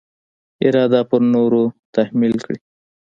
اراده پر نورو تحمیل کړي.